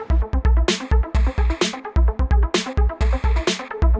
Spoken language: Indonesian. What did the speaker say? putri keliatan bahagia sekali bersama pangeran